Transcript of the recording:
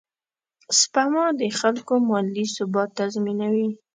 سپما د خلکو مالي ثبات تضمینوي.